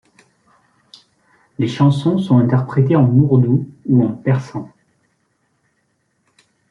Les chansons sont interprétées en ourdou ou en persan.